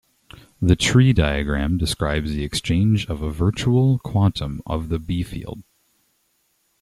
The tree diagram describes the exchange of a virtual quantum of the B-field.